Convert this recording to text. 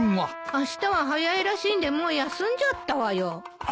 あしたは早いらしいんでもう休んじゃったわよ。